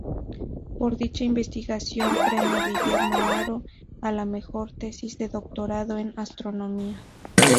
Por dicha investigación, premio Guillermo Haro a la mejor tesis de doctorado en astronomía.